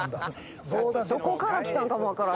どこから来たんかも分からん。